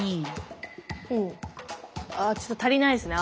ああちょっと足りないですね